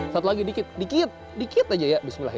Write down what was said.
satu lagi dikit dikit dikit aja ya bismillah ya